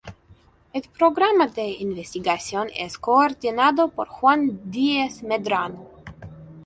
El programa de investigación es coordinado por Juan Díez Medrano.